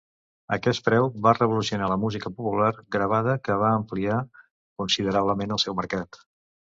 Aquest preu va revolucionar la música popular gravada, que va ampliar considerablement el seu mercat.